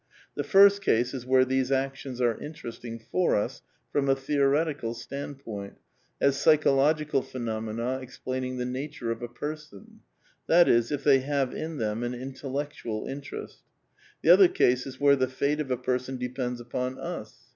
The first case is where these actions are interesting for us from a theoretical standpoint, as psycliological phenomena explaining the nature of a per son, that is, if they have in them an intellectual interest: the other case is where the fate of a person depends upon us.